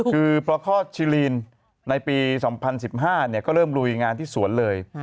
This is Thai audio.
คือพอคลอดชิลีนในปี๒๐๑๕ก็เริ่มลุยงานที่สวนเลย